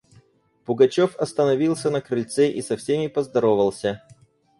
Пугачев остановился на крыльце и со всеми поздоровался.